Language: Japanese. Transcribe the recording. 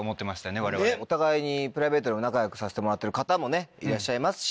ねっお互いにプライベートでも仲良くさせてもらってる方もねいらっしゃいますし。